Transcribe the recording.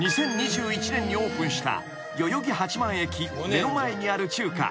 ［２０２１年にオープンした代々木八幡駅目の前にある中華］